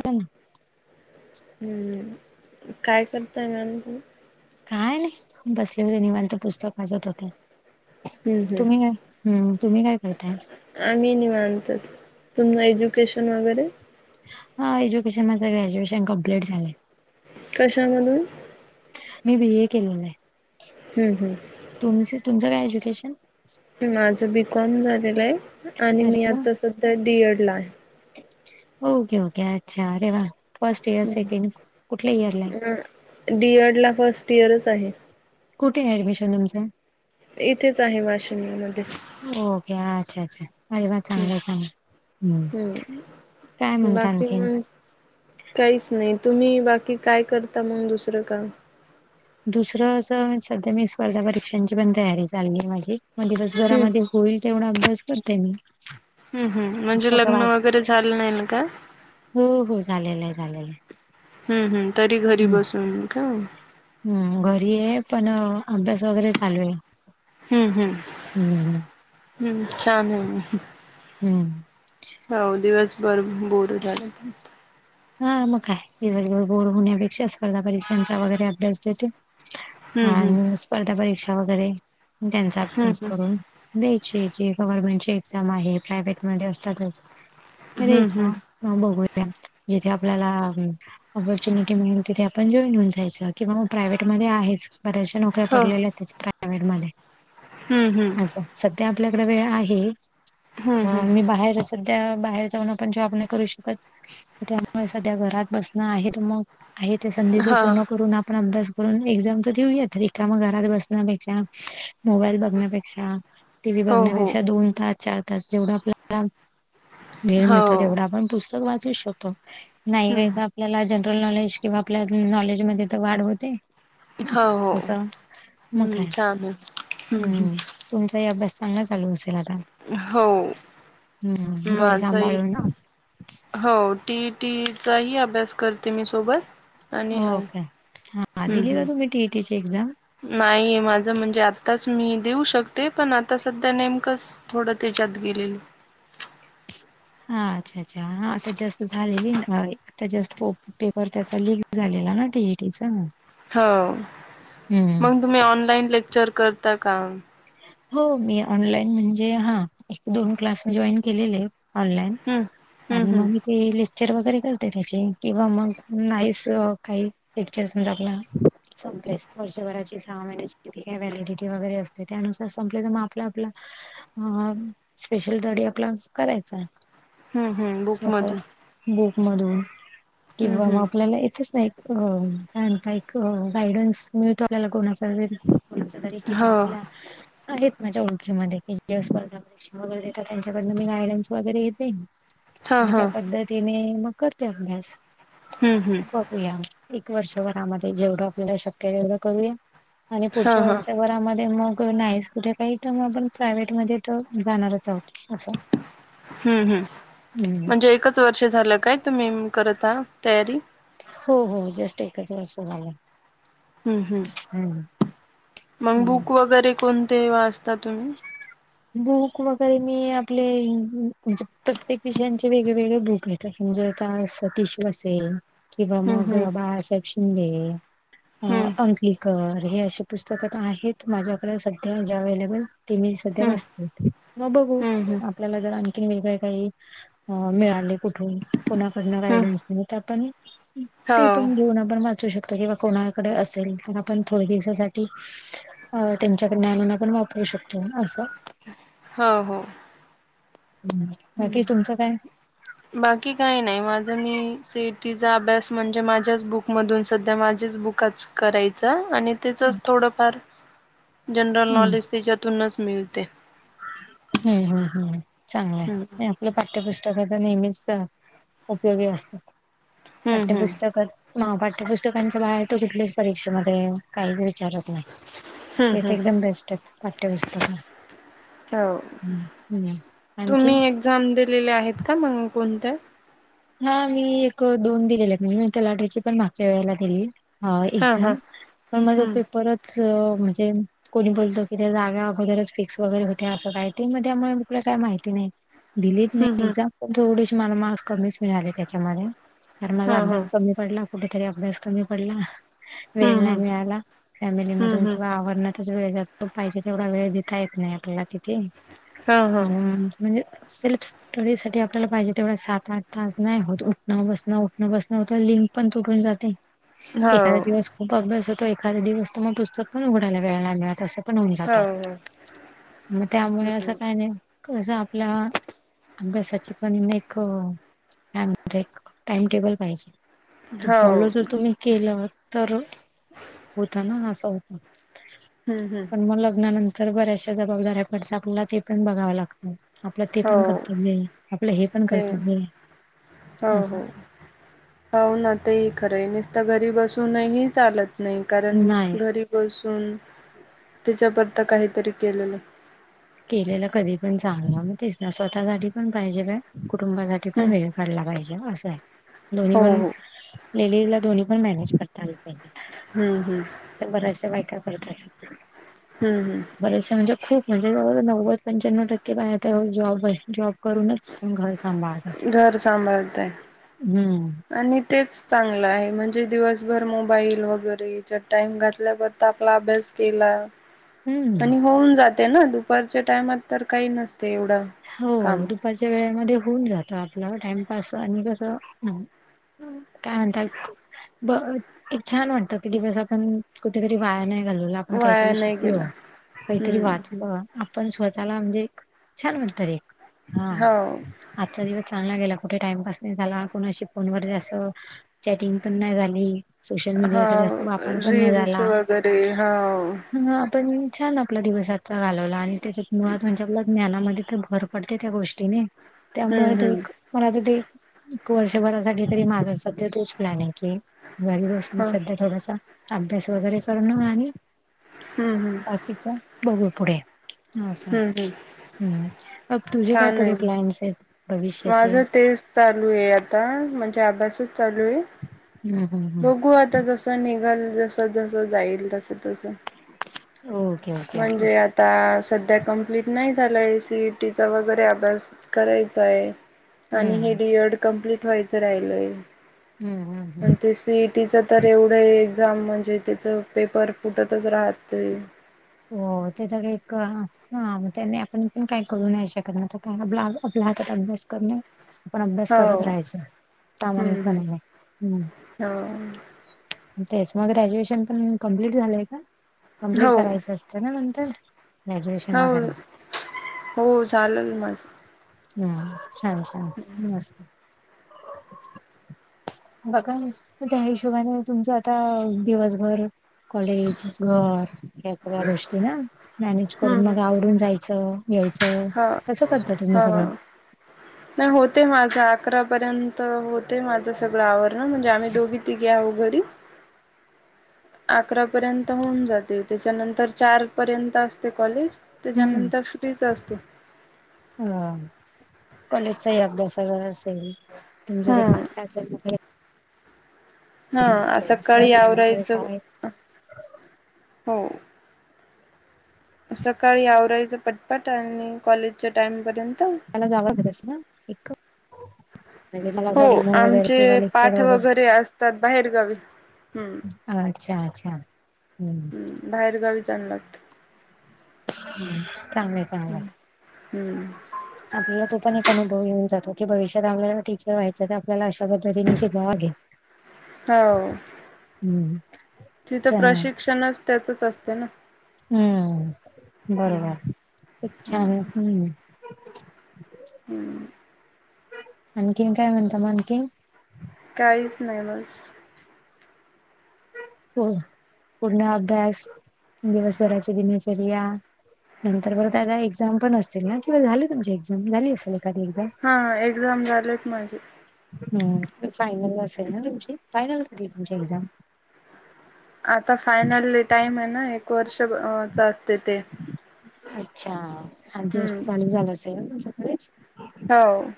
ह [unintelligible] हम्म, काय करताय मॅम तूम्ही. काय नाही बसले होते निवांत. पुस्तक वाचत होते. हम्म तुम्ही? हम्म हम्म. तुम्ही काय करताय? आम्ही नीवांतच. तुम एज्युकेशन वगैरे. हा. एज्युकेशन माझं. ग्रॅज्युएशन कम्प्लीट झालंय. कशामधून. मी बी ए केलेलं हे. हंम्म हम्म. तुमच तुमचं काय एज्युकेशन? माझं बीकॉम झालेलं आहे आणि मी अरे वा आता सध्या डीएड ला आहे. ओके ओके अच्छा अरे वा. फर्स्ट इयर सेकंड कुठल्या इयरला आहे ग डीएड ला फर्स्ट इयरच आहे. कुठे हे ऍडमिशन तुमचं? इथेच आहे वाशिम मधे. ओके अच्छा अच्छा. अरे वा हम्म चांगलं चांग हम्म हम्म. काय म्हणता बाकी आणखीण. मग काहीच नाही तुम्ही बाकी काय करता मंग दुसरं काम. दुसरं अस सध्या मी स्पर्धा परीक्षांची पण तयारी चालु हे माझी म्हणजे बस हम्म घरामध्ये. होईल तेवढा आभ्यास करते मी. हम्म हम्म म्हणजे पुस्तकं लग्न वाच वगैरे झालं नाही ना का [unintelligible] हो हो झालेलं हे झालेलं हे. हम्म हम्म तरी घरी बसून. [unintelligible] का हम्म घरी आहे पण अभ्यास वगैरे चालू आहे. हम्म हम्म हम्म, हम्म छान आहे. हम्म. हो दिवसभर बोर झालं पण [unintelligible] हा मग काय दिवसभर बोर होण्यापेक्षा स्पर्धा परीक्षांचा वगैरे अभ्यास देते. हा हम्म हम्म आणि स्पर्धा परीक्षा वगैरे त्यांचा अभ्यास हम्म करून. द्यायची याची ची गव्हर्नमेंटची एक्झाम आहे प्रायव्हेटमध्ये असतातच हम्म हम्म द्यायच्या. हम्म [unintelligible] ह बघूया जिथे आपल्याला. ऑपॉर्च्युनिटी मिळेल तिथे आपण जॉईन हुन जायचं किंवा म प्रायववेटध्ये आहे च बऱचश्या नोक ऱ्या हो पडलेल्या त्याच प्रायवट मधे हम्म हम्म अस सध्या आपल्याकडे वेळ आहे. हम्म हा मी हम्म बाहेर सध्या बाहेर जाऊन आपण जॉब नाही करू शकत. त्यामुळे सध्या घरात बसणं आहेत मग आहे ते संधीचं हा सोनं करून आप पण अभ्यास करून एक्झाम तर देऊशत [unintelligible] ठेऊयाेत रिकाम घरात बसण्यापेक्षा मोबाईल बघण्यापेक्षा. टी व्ही हो हो बघण्यापेक्षा दोन तास चार तास जेवढा आपल्या. वेळ हो मिळतो तेवढा आपण पुस्तक वाचू शकतो नाही काही हम्म का आप [unintelligible] आपल्याला जनरल नॉलेज किंवा आपल्या नॉलेजमध्ये त वाढ होते. हो हो अस म हम्म काय छान आहे हम्म तुमचाही अभ्यास चांगला चालू असेल आता हो हम्म घर माझाही सांभाळून ना. हो टी ई टी ई चाही अभ्यास करते मी सोबत. आणि हा ओके हा हम्म दिली का तुम्ही हम्म टीईटीची एक्झाम? नाही माझं म्हणजे आताच मी देऊ शकते पण आता सध्या नेमकंच. थोडं त्याच्यात गेलेलं. हा अच्छा अच्छा हा आता जास्त झालेली ना, अय आता जास [unintelligible] पेपर त्याचा लीक झालेला ना, टीईटीचा ना. हो मं ग तुम्ही ऑनलाईन लेक्चर करता का? हो मी ऑनलाईन म्हणजे हा एक [unintelligible] दोन क्लास मीजॉईन केलेले हे. ऑनलाईन हं. हं, आणि म हं. मी ते येले. चेर वगैरे करते त्याचे किंवा मग नाहीस काही लेक्चर [unintelligible] म्हणजा आपला. संपले स वर्षभराची सहा महिन्याची किती काय व्हॅलिडिटी वगैरे असते. ते त्यानुसार संपले त मग आपला आपला. अ स्पेशल धडे आपला करायचा आहे. हं, हं. बुकमधून. स्वतच बुक मधून हं, किंवा म हं. आपल्याला इथच नाही. हो त्यांचा एक गायडन्स मिळतो आपल्याला कोणाचारी [unintelligible] कोणातरी कि हो. बा आहेत माझ्या ओळखीमध्ये एक दिवस बघा. तशी वगैरे त्यांच्याकडन मी गायडनस वगैरे येते. हां, आणि त्या हां. पद्धतीने मग करते अभ्यास. हम्म हम्म. या एक वर्षभरामध्ये जेवढं आपल्याला शक्य तेवढं करूया आणि हां, पुढच्या हां. वर्षात. वरामध्ये मग नाही कुठे काही तर मग आपण प्रायव्हेट मध्ये तर जाणारच आहोत. असं हम्म हम्म हम्म. म्हणजे एकच. च वर्ष झालं काय तुम्ही करत तयारी. हो हो जास्ट एकच वर्ष झालं. हम्म हम्म मग हम्म बुक वगैरे कोणते वाचता तुम्ही. [inaudible] बुक वगैरे मी आपले म्हणजे प्रत्येक विषयांचे वेगळेवेेगळे बुक आहेत. तसे म्हजे आता सतीश बसेल. किंवा हं, मग हं. बाळासाहेब शिंदे अ हं. अंकली. कर हे अशी पुस्तकं तर आहेत माझ्याकडे सध्या जे अवे्हेलेबल ते मी सध्या हं. वाचते. [unintelligible] मग बघू हं, हं. आपल्याला जर आणखीन वेगळे काही अ मिळाले कुठून. कुणाकडन हं. गायडन्स नाही तर पण ते हो. पण लिहन आपण वा असू शकतं किंवा कोणाकडे असेल तर आपण थोडे दिवसासाठी. अ त्यांच्याकडे आणून न पण वापरू शकतो असं. हो हो. हं. बाकी तुमचं काय. बाकी काही नाही माझा मी सेटीचा अभ्यास म्हणजे माझ्याच बुकमधून सध्या माझीच बुक. कच करायच. च आणि त्याचच हम्म थोडफार जनरल नॉलेज त्याच्यातूनच मिळते. हम्म हम्म हम्म हम्म चांगलं. आप पाठ्यपुस्तकचा नेहमीच उपयोगी असत हम्म हम्म पाठ्यपुस्तकात. म पाठ्यपुस्तकांचा बाहेर तो कुठल्याच परीक्षेमध्ये काहीरीच. विचारत नाही हम्म ते तर हम्म एकदम बेस्ट पाठ्यपुस्तक. हो हम्म आणखीन तुम्ही एक्झाम दिलेले आहेत का मग कोणते्या. हा मी एक दोन दिलेले आहेत म्हणजे मी त्या लाट्याची पण मागच्या वेळेला दिली. हा एक्झाम पण माझा हम्म पेपर बरच म्हणजे. कोणी बोलतो कि त्या जाग्या अगोदरच फिक्स वगैरे होते असं काही ते मग त्यामुळे कुठल्या काही माहिती नाही. दिलीत मी हम्म हम्म एक्झाम पण थोडेसे मला मार्क्स कमीच मिळाले त्याच्यामध्ये कारन माझा हा हा अभ्यास कमी. पडला कुठेतरी अभ्यास क पडला वेळ हम्म नाही हम्म मिळाला फमिलीमधून हम्म हम्म किंवा आवरण्यात. त वेळ जातो पाहिजे तेवढा वेळ देता येत नाही आपल्याला तिथे हा हा हम्म. म्हणजे सेल्फ स्टोरी साठी आपल्याला पाहिजे तेवढ्या सात आठ. तास नाही होत उठणं बसणं उठणं बसणं हो तर लिंक पण तुटून जाते हो एखादा दिवस. खूप अभ्यास होतो एखाद दिवस तर मग पुस्तक पण उघडाला वेळला मिळत असं. पण होऊन जात हो हो मग त्यामुळे असं हम्म काय नाही. कसं आपल्या अभ्यासाची पण एक. हण एक टाइम टेबल पाहिजे तो हो फॉलो तर तुम्ही. केलं तर होत ना असं. हम्म हम्म पण मग लग्नानंतर बऱ्याचशा जबाबदाऱ्या पडतात आपला ते पण बघावं लागतं. आपलं ते हो पण करतव्य आपलं हे पण करतव्य. हो हो. हो ना ते खरं आहे नसत घरी बसूनही चालत नाही कारण नाही घरी. बसून त्याच्यापता काहीतरी केलेलं. केलेलं कधी पण चागलं मग तेच ना स्वतःसाठी पण पाहिजे कुटुंबासाठी पण हं वेगळ. काढला पाहिजे अस दोन्ही हो पण हो लेडीज ला दोन्ही पण मॅनेज कर ता आलं हं हं पाहिजे बरश बायका करतात हम्म हम्. बरेचसे म्हणजे खूप म्हणजे जवळ नव्वद पंच्याण्णव टक्के पायता जॉब आहे जॉब करूनच. श घर सभळत घर सांभाळताय हम्म. आणि तेच चांगलं आहे म्हणजे दिवसभर मोबाईल वगैरे याच्या टाइम घातल्यावर तर आपला अभ्यास केला. हम्म आणि होऊन जाते ना दुपारच्या टायमात तर काही नसते एवढं. हो काम दुपारच्या वेळेमध्ये होऊन जात आपलं टाइमपास आणि कसं? ह् काय म्हणतात ब एक छान म्हणतं की दिवस आपण कुठेतरी वया नाही. ा आपण वाया काहीतरी नाही शिकल गेला काहीतरी हम्म वाचल आपण स्वतःला म्हणजे छान म्हणंत एक हा. हो आजचा दिवस चांगला गेला कुठे टाइमपास नाही झाला कुणा अशी फोनवर जासं. चॅटिंग पण नाही झाली. सोशल मीडियाचा हो जास्त वापर पण नाही रील्स झाला वगैरे हो ह आपण छान आपला दिवस आचा घालवला आणि त्याच्यात मुळात म्हणजे आपल्या ज्ञानामध्ये तिथ भर पडते त्या गोष्टीने त्यामुळे हम्म तो हम्म एक मला आता ते वर्षभरासाठी तरी माझा सध्या तोच प्लॅन आहे की घरी बसून हा सध्या थोडासा अभ्यास वगैरे करणं आणि हम्म हम्. तच बघू पुढे हा सां. हम्म हम्म हम् अग तुझे काय छान पुढे आहे. प्लायन्स आहेत भविष्याचे माझं तेच चालू आहे आता म्हणजे अभ्यासच चालू आहे हम्म हम्म हम्म बघू आता जस. त निघाल जस जस जाईल तस तस. Okay okay okay. आता सध्या कम्प्लीट नाही झालं ए सीट वगैरे अभ्यास करायचा आहे आणि हम्म हेडीड कंप्लीट व्हायचं राहिलंय हम्म हम्म हम्म. तेच सीईटीच तर एवढं एक्झाम म्हणजे त्याचं पेपर फुटतच राहत. हो तेचा का हाग त्यानी आपण पण काय करू शकत नाही काय ब्ला आपल्या हातात अभ्यास करणे. पण अभ्यास हो करत हम्म राहायचं तामानिकपणा आहे हम्म. हम्म तेच मग ग्रॅज्युएशन पण कंप्ललीट झालंय का कंप्लीट हो करायचं. न हो गुएश हो वरे. हो चालेल हम माझं. ले ले नमस्कार. [unintelligible] बघ त्या हिशोबाने तुमच्या आता दिवसभर कॉलेज घर या्या सगळ्या गोष्टी ना मॅनेज करून हम्म. मग आवडून जायचं. यायचं हो, कसं करता तुम्ही सगळं. हो. नाही होते माझं अकरा पर्यंत होते माझ सगळं आवरण म्हणजे आम्ही दोघी िक आव घरी अकरा पर्यंत होऊन जाते त्याच्यानंतर चार पर्यंत असते कॉलेज त्याच्यानंतर सुटीच असते. ह कॉलेजचाही अभ्यास असेल तुमच्या ते हम्म. पाठताल. हा असेल सगळं सकाळी झाल्यानंतर आवरायचं शाळेत हो. सकाळी आवराळीचां पटपाट आणि कॉलेजच्या टाइमपर्यंत हला जा आवागच ना एक म्हणजे मला हो असा डेमो वगैरे आमचे किंवा लेक्चर पाठ वगैरे असतात बाहेरगावी हम्म. अच्छा अच्छा हम्म. बाहेर गावी जा लागत. ह चांगले चां हम् हम्म. आपल्याला तो पण एक अनुभव येऊन जातो की भविष्यात आपल्याला टीचर व्हाय च आपल्याला अशा पद्धतीने शिकावा लागेल. हो. हम्म्, चा. त्यातच असते ना. हम्म, बरोबर, खूप छान हम्म. हम्म. आणखीन काय म्हणता म आणखीन? काहीच नाही बस हो, पूर्ण अभ्यास, दिवसभराची दिनचर्या. नंतर बरं [unintelligible] एक्झाम पण असतील ना किंवा झाले तुमची एक्झाम झाली असेल एखादी एक्झाम. हां एक्झाम झालेत माझे. हम फायनल असेल ना तुमची फायनल कधी तुमची एक्झाम. आता फायनल टाइम आहे ना एक वर्षच असते ते. अच्छा [unintelligible] दिवस हम्म. चालू झाल असेल ना तुमचं कॉलेज. हाव.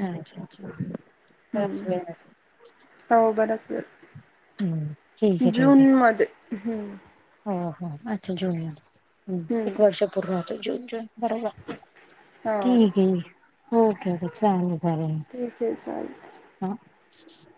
हा अच्छा -अच्छा बराच हम्म वेळ आहे अजून. हो बराच वेळ, हम्म ठीक जून मध्ये हम्. हा हा अच्छा जून मध्ये, हम हम्म. एक वर्ष पूर्व होतय जून -जून बरोबर. हो. ठीक ये, ओके ओके चालेल चालेल. ठीक आहे चाल [unintelligible]